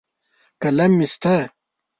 قلم مې شته.